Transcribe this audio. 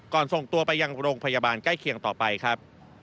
ส่งตัวไปยังโรงพยาบาลใกล้เคียงต่อไปครับ